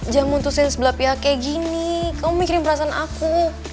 dia memutuskan sebelah pihak kayak gini kamu mikirin perasaan aku